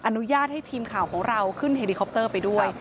อนุญาตให้ทีมข่าวของเราขึ้นเฮลิคอปเตอร์ไปด้วย